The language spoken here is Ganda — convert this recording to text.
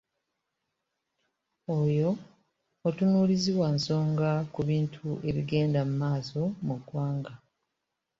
Oyo mutunuulizi wa nsonga ku bintu ebigenda mu maaso mu ggwanga.